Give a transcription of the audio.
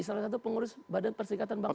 salah satu pengurus badan perserikatan bangsa